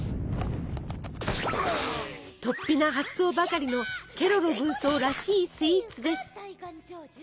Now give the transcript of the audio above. とっぴな発想ばかりのケロロ軍曹らしいスイーツです。